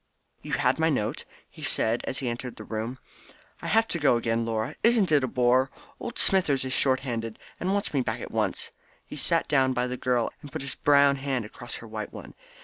"You had my note?" he said, as he entered the room. "I have to go again, Laura. Isn't it a bore? Old Smithers is short handed, and wants me back at once." He sat down by the girl, and put his brown hand across her white one.